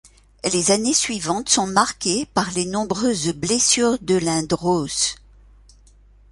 Les années suivantes sont marquées par les nombreuses blessures de Lindros.